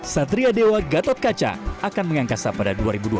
satria dewa gatot kaca akan mengangkasa pada dua ribu dua puluh